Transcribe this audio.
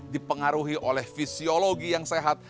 dipengaruhi oleh fisiologi yang sehat